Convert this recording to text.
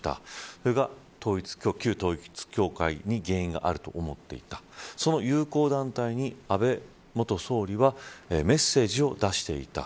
それが旧統一教会に原因があると思っていたその友好団体に安倍元総理はメッセージを出していた。